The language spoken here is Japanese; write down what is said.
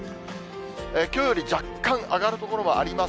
きょうより若干上がる所もあります。